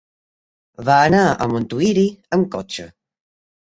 Va anar a Montuïri amb cotxe.